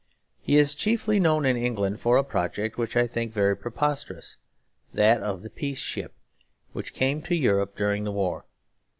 He is chiefly known in England for a project which I think very preposterous; that of the Peace Ship, which came to Europe during the war.